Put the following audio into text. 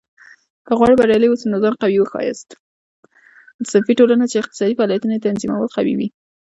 صنفي ټولنې چې اقتصادي فعالیتونه یې تنظیمول قوي وې.